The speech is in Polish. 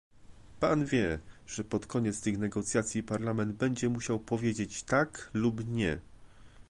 Pan wie, że pod koniec tych negocjacji Parlament będzie musiał powiedzieć "tak" lub "nie"